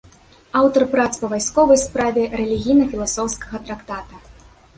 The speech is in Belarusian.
Аўтар прац па вайсковай справе, рэлігійна-філасофскага трактата.